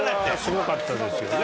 すごかったですよね